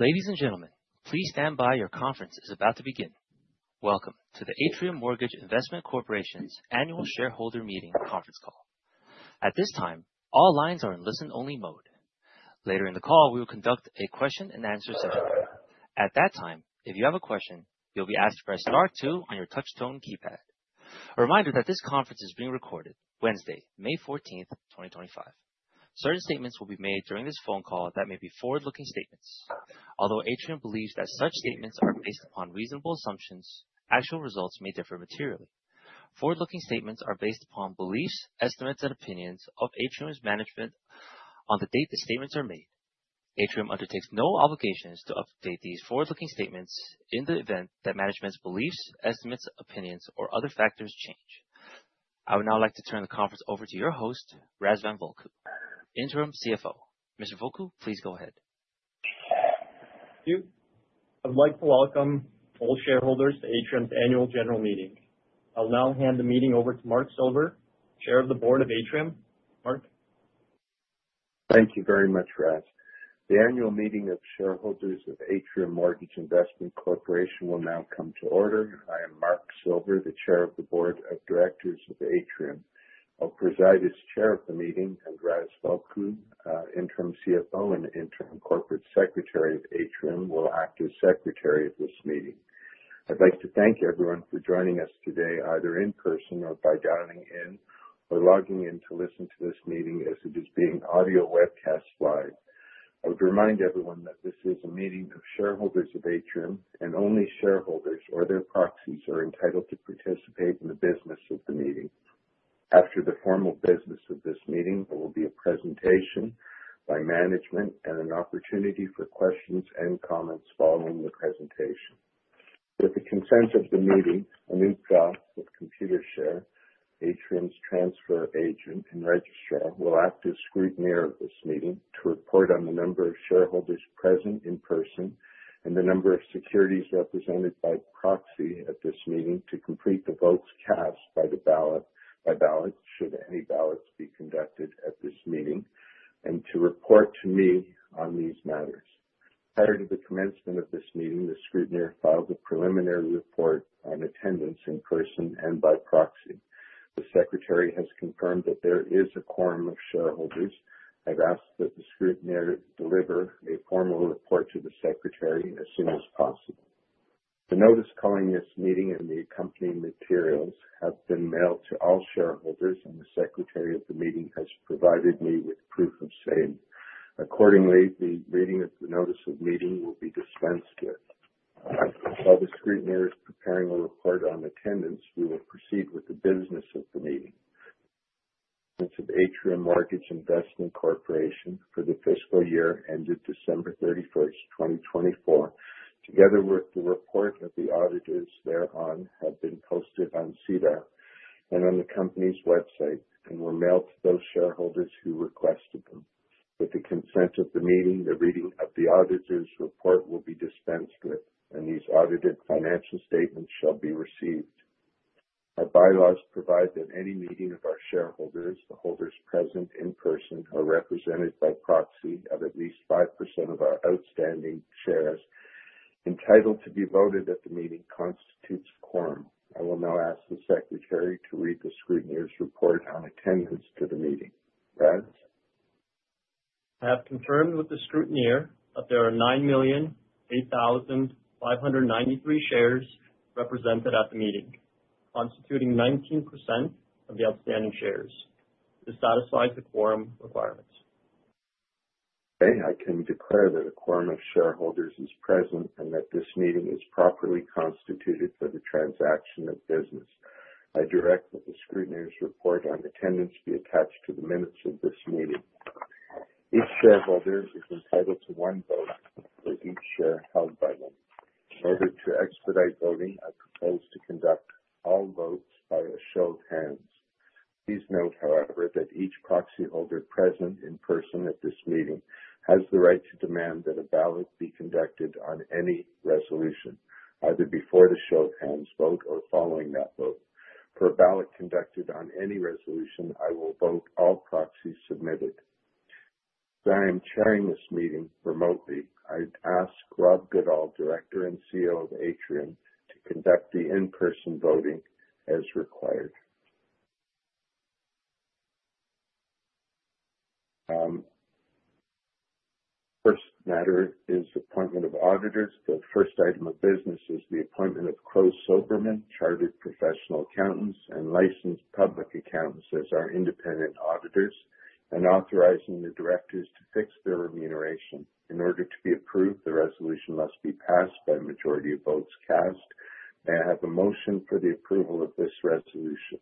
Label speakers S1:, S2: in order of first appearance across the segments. S1: Ladies and gentlemen, please stand by. Your conference is about to begin. Welcome to the Atrium Mortgage Investment Corporation's Annual Shareholder Meeting conference call. At this time, all lines are in listen-only mode. Later in the call, we will conduct a question and answer session. At that time, if you have a question, you'll be asked to press star two on your touchtone keypad. A reminder that this conference is being recorded, Wednesday, May 14th, 2025. Certain statements will be made during this phone call that may be forward-looking statements. Although Atrium believes that such statements are based upon reasonable assumptions, actual results may differ materially. Forward-looking statements are based upon beliefs, estimates, and opinions of Atrium's management on the date the statements are made. Atrium undertakes no obligations to update these forward-looking statements in the event that management's beliefs, estimates, opinions, or other factors change. I would now like to turn the conference over to your host, Razvan Vulcu, Interim CFO. Mr. Vulcu, please go ahead.
S2: Thank you. I'd like to welcome all shareholders to Atrium's Annual General Meeting. I'll now hand the meeting over to Mark Silver, Chair of the Board of Atrium. Mark?
S3: Thank you very much, Raz. The annual meeting of shareholders of Atrium Mortgage Investment Corporation will now come to order. I am Mark Silver, the Chair of the Board of Directors of Atrium. I'll preside as chair of the meeting, and Razvan Vulcu, Interim CFO and Interim Corporate Secretary of Atrium, will act as secretary of this meeting. I'd like to thank everyone for joining us today, either in person or by dialing in or logging in to listen to this meeting as it is being audio webcast live. I would remind everyone that this is a meeting of shareholders of Atrium, and only shareholders or their proxies are entitled to participate in the business of the meeting. After the formal business of this meeting, there will be a presentation by management and an opportunity for questions and comments following the presentation. With the consent of the meeting, Anuj Ghosal of Computershare, Atrium's transfer agent and registrar, will act as scrutineer of this meeting to report on the number of shareholders present in person and the number of securities represented by proxy at this meeting, to complete the votes cast by ballot, should any ballots be conducted at this meeting, and to report to me on these matters. Prior to the commencement of this meeting, the scrutineer filed a preliminary report on attendance in person and by proxy. The secretary has confirmed that there is a quorum of shareholders. I've asked that the scrutineer deliver a formal report to the secretary as soon as possible. The notice calling this meeting and the accompanying materials have been mailed to all shareholders. The secretary of the meeting has provided me with proof of same. Accordingly, the reading of the notice of meeting will be dispensed with. While the scrutineer is preparing a report on attendance, we will proceed with the business of the meeting. Of Atrium Mortgage Investment Corporation for the fiscal year ended December 31st, 2024, together with the report of the auditors thereon, have been posted on SEDAR and on the company's website and were mailed to those shareholders who requested them. With the consent of the meeting, the reading of the auditor's report will be dispensed with, and these audited financial statements shall be received. Our bylaws provide that any meeting of our shareholders, the holders present in person, are represented by proxy of at least 5% of our outstanding shares, entitled to be voted at the meeting constitutes quorum. I will now ask the secretary to read the scrutineer's report on attendance to the meeting. Raz?
S2: I have confirmed with the scrutineer that there are 9,008,593 shares represented at the meeting, constituting 19% of the outstanding shares. This satisfies the quorum requirements.
S3: I can declare that a quorum of shareholders is present and that this meeting is properly constituted for the transaction of business. I direct that the scrutineer's report on attendance be attached to the minutes of this meeting. Each shareholder is entitled to one vote for each share held by them. In order to expedite voting, I propose to conduct all votes by a show of hands. Please note, however, that each proxy holder present in person at this meeting has the right to demand that a ballot be conducted on any resolution, either before the show of hands vote or following that vote. For a ballot conducted on any resolution, I will vote all proxies submitted. As I am chairing this meeting remotely, I ask Rob Goodall, Director and CEO of Atrium, to conduct the in-person voting as required. First matter is appointment of auditors. The first item of business is the appointment of Crowe Soberman, Chartered Professional Accountants and licensed public accountants as our independent auditors, and authorizing the directors to fix their remuneration. In order to be approved, the resolution must be passed by a majority of votes cast. May I have a motion for the approval of this resolution?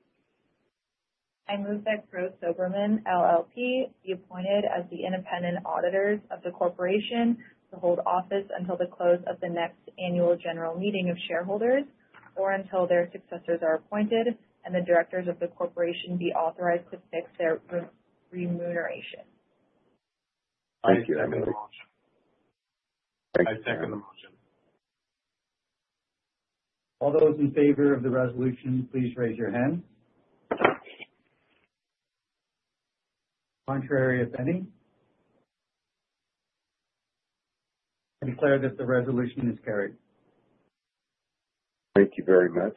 S4: I move that Crowe Soberman LLP be appointed as the independent auditors of the corporation to hold office until the close of the next annual general meeting of shareholders, or until their successors are appointed and the directors of the corporation be authorized to fix their re-remuneration.
S3: Thank you. I second the motion.
S2: Thank you. I second the motion.
S5: All those in favor of the resolution, please raise your hand. Contrary, if any? I declare that the resolution is carried.
S3: Thank you very much.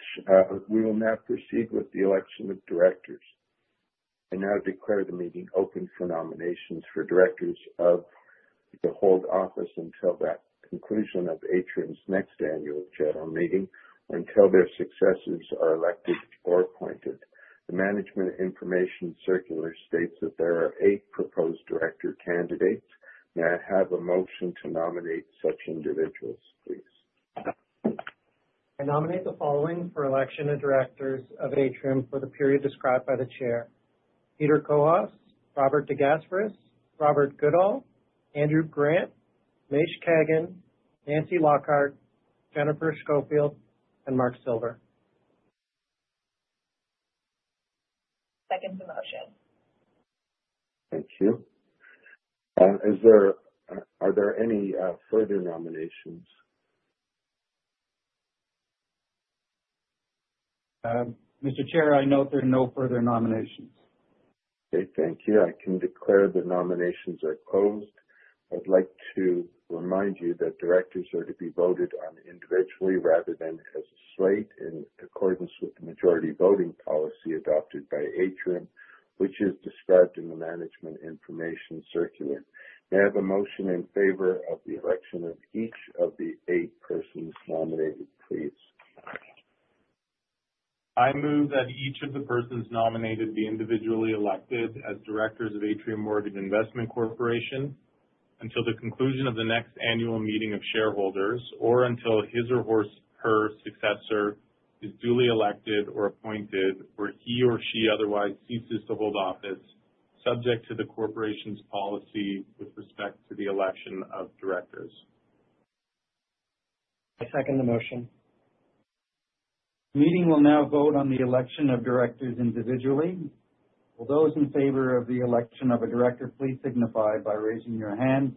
S3: We will now proceed with the election of directors. I now declare the meeting open for nominations for directors of, to hold office until the conclusion of Atrium's next annual general meeting, until their successors are elected or appointed. The Management Information Circular states that there are eight proposed director candidates. May I have a motion to nominate such individuals, please?
S5: I nominate the following for election of directors of Atrium for the period described by the chair: Peter Cohos, Robert DeGasperis, Robert Goodall, Andrew Grant, Maurice Kagan, Nancy Lockhart, Jennifer Scoffield, and Mark Silver.
S4: Second the motion.
S3: Thank you. Is there, are there any further nominations?
S5: Mr. Chair, I note there are no further nominations.
S3: Thank you. I can declare the nominations are closed. I'd like to remind you that directors are to be voted on individually rather than as a slate, in accordance with the majority voting policy adopted by Atrium, which is described in the Management Information Circular. May I have a motion in favor of the election of each of the eight persons nominated, please?
S5: I move that each of the persons nominated be individually elected as directors of Atrium Mortgage Investment Corporation until the conclusion of the next annual meeting of shareholders, or until his or her successor is duly elected or appointed, or he or she otherwise ceases to hold office, subject to the Corporation's policy with respect to the election of directors.
S2: I second the motion.
S5: The meeting will now vote on the election of directors individually. Will those in favor of the election of a director, please signify by raising your hands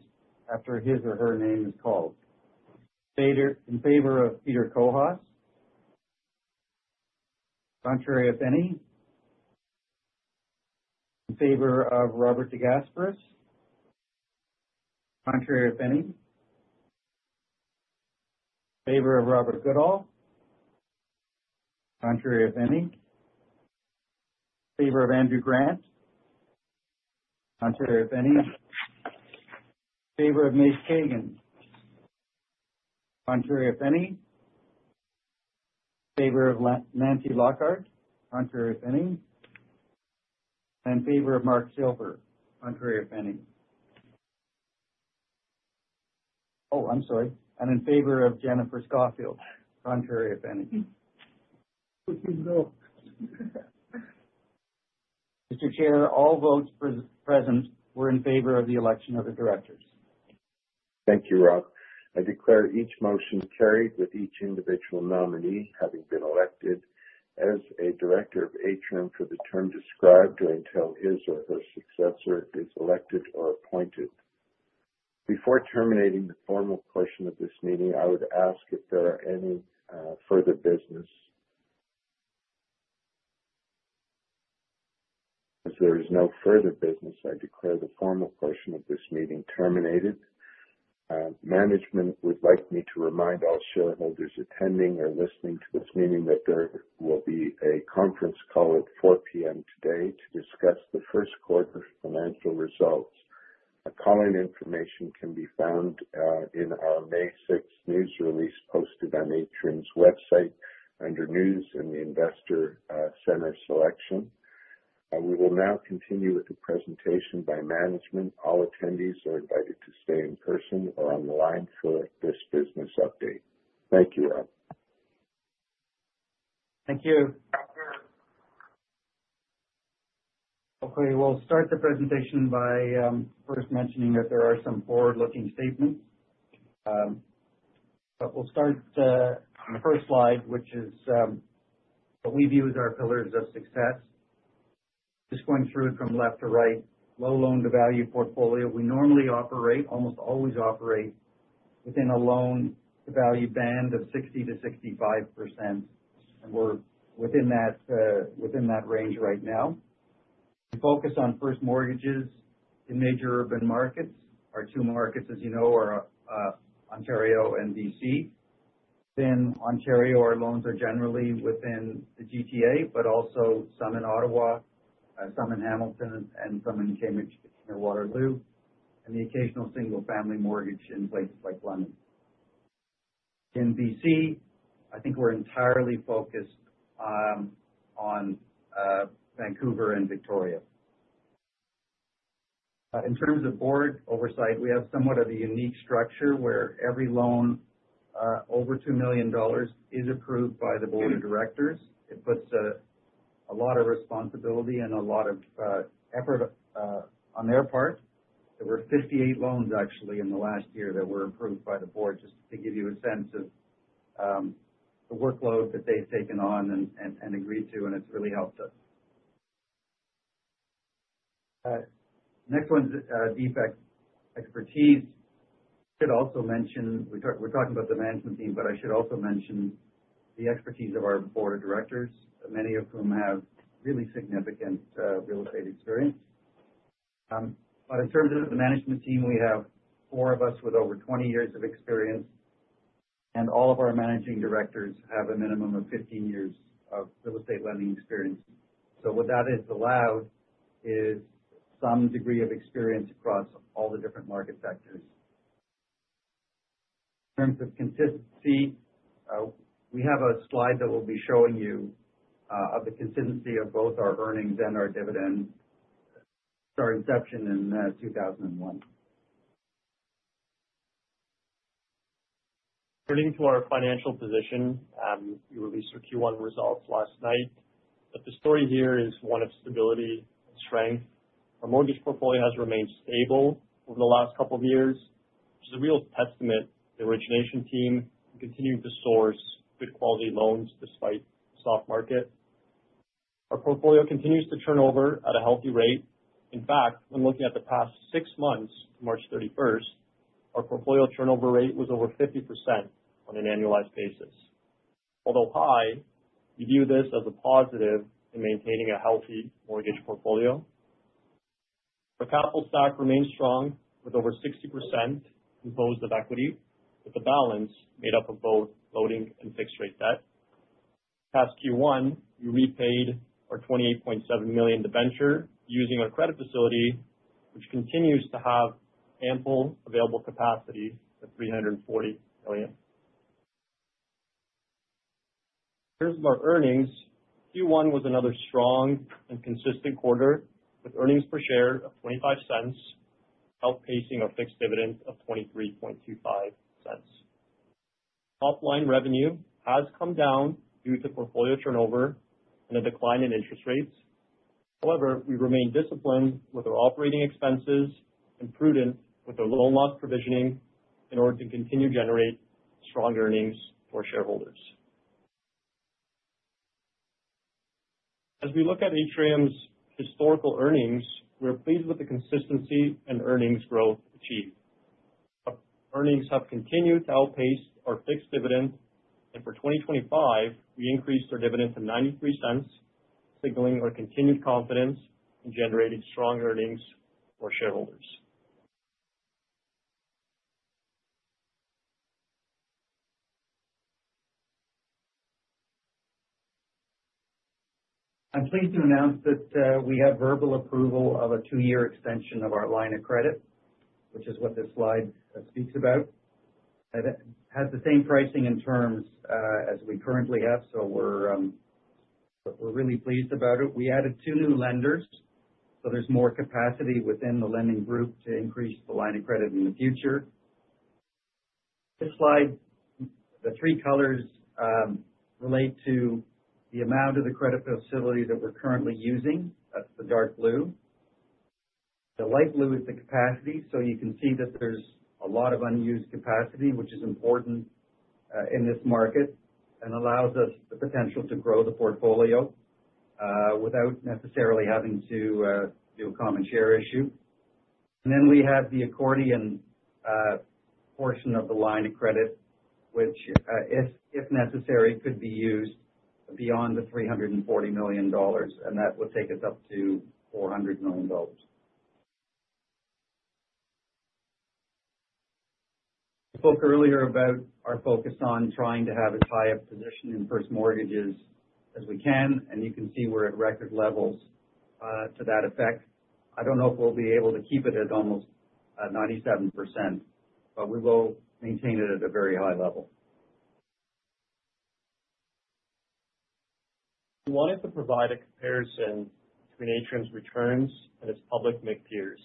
S5: after his or her name is called. In favor of Peter Cohos? Contrary, if any? In favor of Robert DeGasperis? Contrary, if any? Favor of Robert Goodall? Contrary, if any? Favor of Andrew Grant? Contrary, if any? Favor of Maurice Kagan. Contrary, if any? Favor of Nancy Lockhart. Contrary, if any? In favor of Mark Silver. Contrary, if any? Oh, I'm sorry. In favor of Jennifer Scoffield. Contrary, if any?
S4: No.
S5: Mr. Chair, all votes present were in favor of the election of the directors.
S3: Thank you, Rob. I declare each motion carried, with each individual nominee having been elected as a director of Atrium for the term described, or until his or her successor is elected or appointed. Before terminating the formal portion of this meeting, I would ask if there are any further business. There is no further business, I declare the formal portion of this meeting terminated. Management would like me to remind all shareholders attending or listening to this meeting that there will be a conference call at 4:00 P.M. today to discuss the first quarter's financial results. The call-in information can be found in our May 6th news release, posted on Atrium's website under News in the Investor Center selection. We will now continue with the presentation by management. All attendees are invited to stay in person or on the line for this business update. Thank you, Rob.
S5: Thank you. Okay, we'll start the presentation by first mentioning that there are some forward-looking statements. We'll start on the first slide, which is what we view as our pillars of success. Just going through from left to right. Low loan-to-value portfolio. We normally operate, almost always operate within a loan-to-value band of 60%-65%, and we're within that range right now. We focus on first mortgages in major urban markets. Our two markets, as you know, are Ontario and BC. In Ontario, our loans are generally within the GTA, but also some in Ottawa, some in Hamilton, and some in Cambridge and Waterloo, and the occasional single family mortgage in places like London. In BC, I think we're entirely focused on Vancouver and Victoria. In terms of board oversight, we have somewhat of a unique structure where every loan over 2 million dollars is approved by the board of directors. It puts a lot of responsibility and a lot of effort on their part. There were 58 loans, actually, in the last year that were approved by the board, just to give you a sense of the workload that they've taken on and agreed to, and it's really helped us. Next one's deep expertise. I should also mention, we're talking about the management team, but I should also mention the expertise of our board of directors, many of whom have really significant real estate experience. In terms of the management team, we have four of us with over 20 years of experience, and all of our managing directors have a minimum of 15 years of real estate lending experience. What that has allowed is some degree of experience across all the different market sectors. In terms of consistency, we have a slide that we'll be showing you, of the consistency of both our earnings and our dividends, since our inception in, 2001.
S2: Turning to our financial position, we released our Q1 results last night. The story here is one of stability and strength. Our mortgage portfolio has remained stable over the last couple of years, which is a real testament to the origination team, who continue to source good quality loans despite a soft market. Our portfolio continues to turn over at a healthy rate. In fact, when looking at the past six months to March 31st, our portfolio turnover rate was over 50% on an annualized basis. Although high, we view this as a positive in maintaining a healthy mortgage portfolio. Our capital stock remains strong, with over 60% composed of equity, with the balance made up of both floating and fixed rate debt. Past Q1, we repaid our 28.7 million debenture using our credit facility, which continues to have ample available capacity at CAD 340 million. In terms of our earnings, Q1 was another strong and consistent quarter, with earnings per share of 0.25, outpacing our fixed dividend of 0.2325. Top line revenue has come down due to portfolio turnover and a decline in interest rates. However, we remain disciplined with our operating expenses and prudent with our loan loss provisioning in order to continue to generate strong earnings for shareholders. As we look at Atrium's historical earnings, we're pleased with the consistency and earnings growth achieved. Our earnings have continued to outpace our fixed dividend, for 2025, we increased our dividend to 0.93, signaling our continued confidence in generating strong earnings for shareholders.
S5: I'm pleased to announce that we have verbal approval of a two-year extension of our line of credit, which is what this slide speaks about. It has the same pricing and terms as we currently have, so we're really pleased about it. We added two new lenders, so there's more capacity within the lending group to increase the line of credit in the future. This slide, the three colors, relate to the amount of the credit facility that we're currently using. That's the dark blue. The light blue is the capacity, so you can see that there's a lot of unused capacity, which is important in this market, and allows us the potential to grow the portfolio without necessarily having to do a common share issue. Then we have the accordion portion of the line of credit, which, if necessary, could be used beyond the $340 million, and that would take us up to $400 million. I spoke earlier about our focus on trying to have as high a position in first mortgages as we can, and you can see we're at record levels to that effect. I don't know if we'll be able to keep it at almost 97%, but we will maintain it at a very high level.
S2: We wanted to provide a comparison between Atrium's returns and its public MIC peers.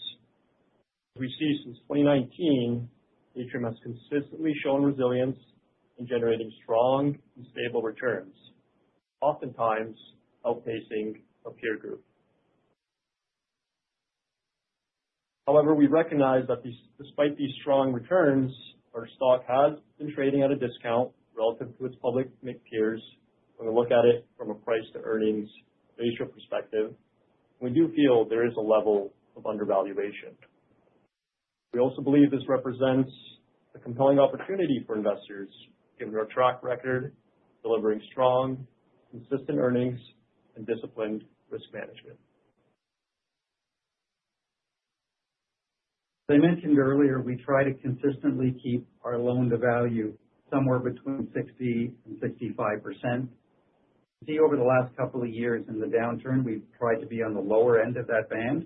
S2: We see since 2019, Atrium has consistently shown resilience in generating strong and stable returns, oftentimes outpacing our peer group. We recognize that despite these strong returns, our stock has been trading at a discount relative to its public MIC peers. When we look at it from a price-to-earnings ratio perspective, we do feel there is a level of undervaluation. We also believe this represents a compelling opportunity for investors, given our track record delivering strong, consistent earnings and disciplined risk management.
S5: As I mentioned earlier, we try to consistently keep our loan-to-value somewhere between 60%-65%. You can see over the last couple of years in the downturn, we've tried to be on the lower end of that band.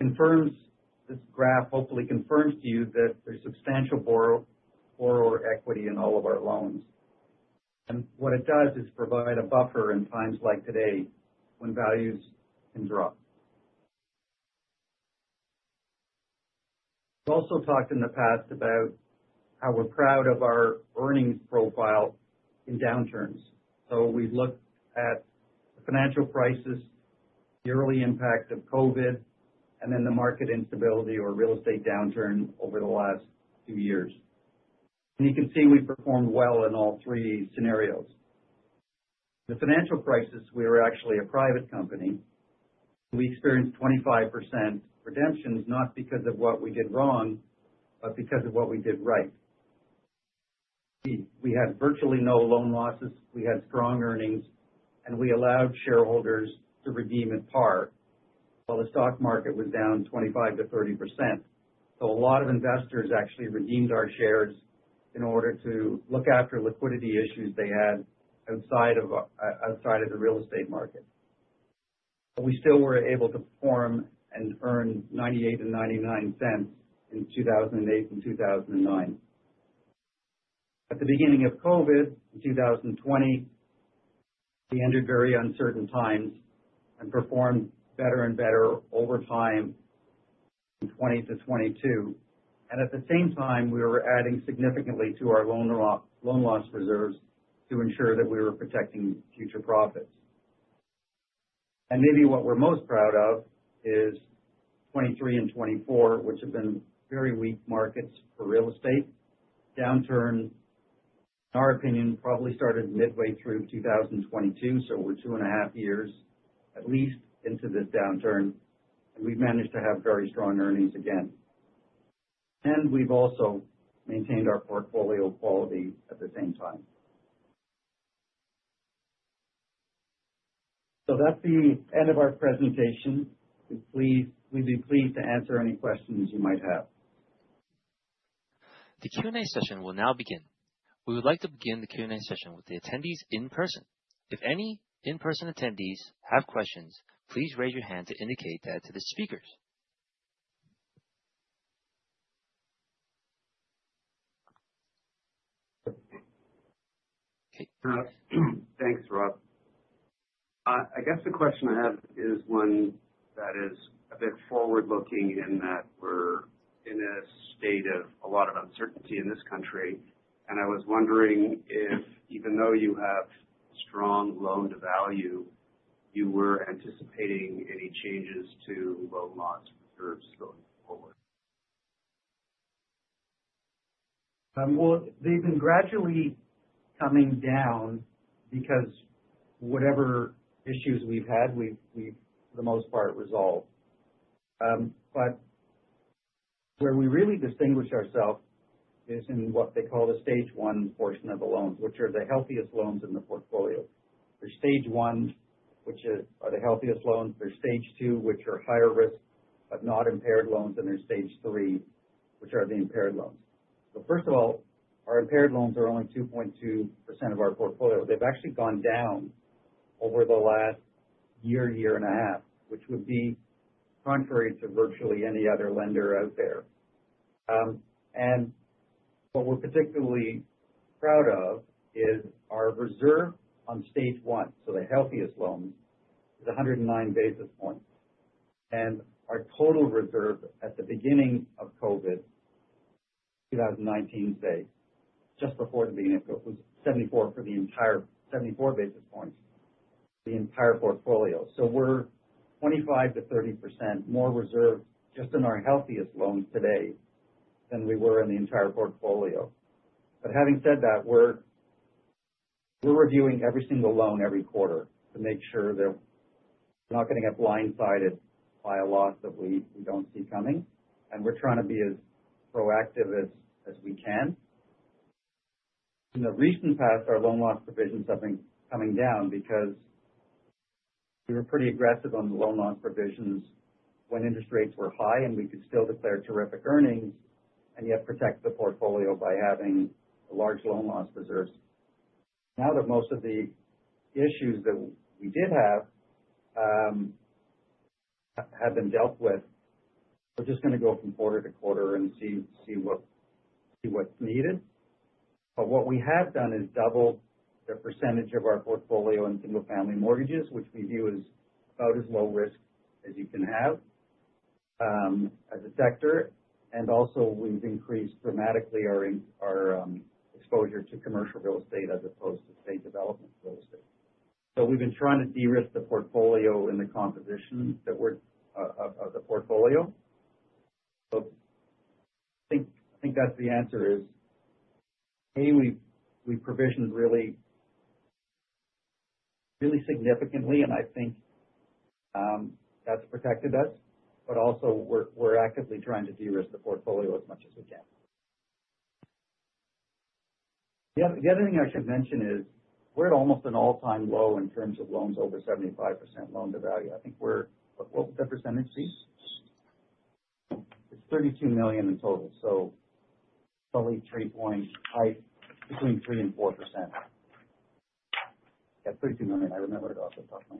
S5: This graph hopefully confirms to you that there's substantial borrower equity in all of our loans. What it does is provide a buffer in times like today, when values can drop. We've also talked in the past about how we're proud of our earnings profile in downturns. We've looked at the financial crisis, the early impact of COVID, the market instability or real estate downturn over the last few years. You can see we've performed well in all three scenarios. The financial crisis, we were actually a private company. We experienced 25% redemptions, not because of what we did wrong, but because of what we did right. We had virtually no loan losses, we had strong earnings, and we allowed shareholders to redeem at par, while the stock market was down 25%-30%. A lot of investors actually redeemed our shares in order to look after liquidity issues they had outside of the real estate market. We still were able to perform and earn 0.98 and 0.99 in 2008 and 2009. At the beginning of COVID in 2020, we entered very uncertain times and performed better and better over time, in 2020-2022. At the same time, we were adding significantly to our loan loss reserves to ensure that we were protecting future profits. Maybe what we're most proud of is 2023 and 2024, which have been very weak markets for real estate. Downturn, in our opinion, probably started midway through 2022, so we're two and a half years at least into this downturn, and we've managed to have very strong earnings again. We've also maintained our portfolio quality at the same time. That's the end of our presentation. We'd be pleased to answer any questions you might have.
S1: The Q&A session will now begin. We would like to begin the Q&A session with the attendees in person. If any in-person attendees have questions, please raise your hand to indicate that to the speakers.
S6: Thanks, Rob. I guess the question I have is one that is a bit forward-looking, in that we're in a state of a lot of uncertainty in this country. I was wondering if, even though you have strong loan-to-value, you were anticipating any changes to loan loss reserves going forward?
S5: Well, they've been gradually coming down because whatever issues we've had, we've, for the most part, resolved. Where we really distinguish ourselves is in what they call the Stage 1 portion of the loans, which are the healthiest loans in the portfolio. There's Stage 1, which are the healthiest loans. There's Stage 2, which are higher risk, but not impaired loans. There's Stage 3, which are the impaired loans. First of all, our impaired loans are only 2.2% of our portfolio. They've actually gone down over the last year and a half, which would be contrary to virtually any other lender out there. What we're particularly proud of is our reserve on Stage 1, so the healthiest loans, is 109 basis points. Our total reserve at the beginning of COVID, 2019, say, just before the beginning of COVID, was 74 basis points, the entire portfolio. We're 25%-30% more reserved just in our healthiest loans today than we were in the entire portfolio. Having said that, we're reviewing every single loan every quarter to make sure that we're not getting blindsided by a loss that we don't see coming, and we're trying to be as proactive as we can. In the recent past, our loan loss provisions have been coming down because we were pretty aggressive on the loan loss provisions when interest rates were high, and we could still declare terrific earnings and yet protect the portfolio by having large loan loss reserves. Now that most of the issues that we did have have been dealt with, we're just gonna go from quarter to quarter and see what's needed. What we have done is double the percentage of our portfolio in single-family mortgages, which we view as about as low risk as you can have as a sector. Also we've increased dramatically our exposure to commercial real estate as opposed to estate development real estate. We've been trying to de-risk the portfolio in the composition that we're of the portfolio. I think, I think that's the answer is, A, we provisioned really, really significantly, and I think that's protected us. Also we're actively trying to de-risk the portfolio as much as we can. The other thing I should mention is we're at almost an all-time low in terms of loans over 75% loan-to-value. What was the percentage, please? It's 32 million in total, probably between 3% and 4%. Yeah, 32 million, I remember it off the top of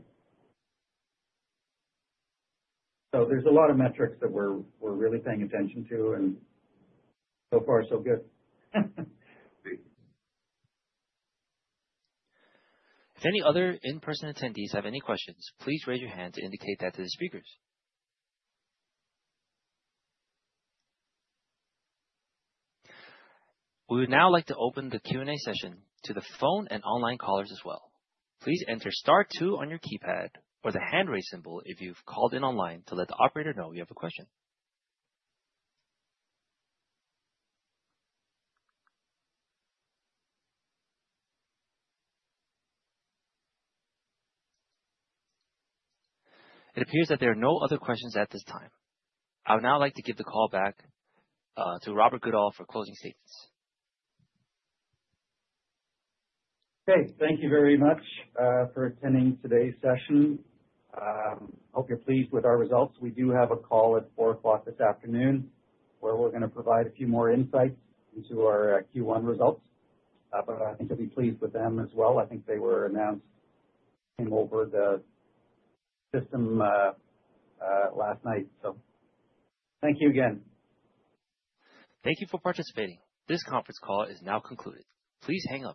S5: my. There's a lot of metrics that we're really paying attention to, and so far, so good.
S1: If any other in-person attendees have any questions, please raise your hand to indicate that to the speakers. We would now like to open the Q&A session to the phone and online callers as well. Please enter star two on your keypad or the hand-raise symbol if you've called in online to let the operator know you have a question. It appears that there are no other questions at this time. I would now like to give the call back to Robert Goodall for closing statements.
S5: Great. Thank you very much for attending today's session. I hope you're pleased with our results. We do have a call at 4:00 P.M. this afternoon, where we're gonna provide a few more insights into our Q1 results, but I think you'll be pleased with them as well. I think they were announced over the system last night. Thank you again.
S1: Thank you for participating. This conference call is now concluded. Please hang up.